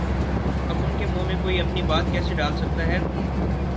اب ان کے منہ میں کوئی اپنی بات کیسے ڈال سکتا ہے؟